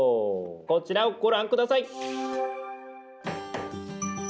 こちらをご覧下さい！